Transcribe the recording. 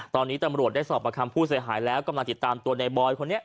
ตอนนี้ตำรวจได้สอบประคำผู้เสียหายแล้วกำลังติดตามตัวในบอยคนนี้